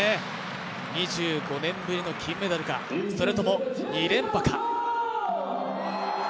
２５年ぶりの金メダルかそれとも２連覇か。